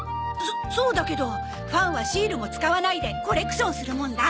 そそうだけどファンはシールも使わないでコレクションするもんだ。